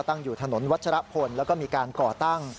ตั้งอยู่ถนนวัชรพลแล้วก็มีการก่อตั้ง